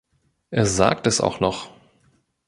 Er sagt es auch noch.